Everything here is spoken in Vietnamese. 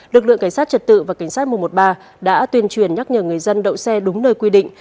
lực lượng cảnh sát trật tự và cảnh sát một trăm một mươi ba đã tuyên truyền nhắc nhở người dân đậu xe đúng nơi quy định